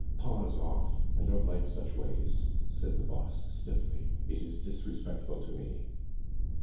"Paws off! I don't like such ways," said the boss stiffly. "It is disrespectful to me."